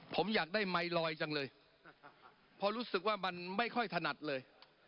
ผมอยากได้ไมลอยจังเลยเพราะรู้สึกว่ามันไม่ค่อยถนัดเลย